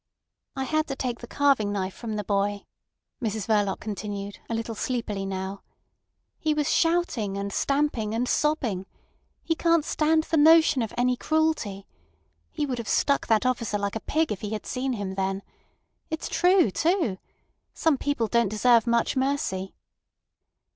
"I had to take the carving knife from the boy," Mrs Verloc continued, a little sleepily now. "He was shouting and stamping and sobbing. He can't stand the notion of any cruelty. He would have stuck that officer like a pig if he had seen him then. It's true, too! Some people don't deserve much mercy."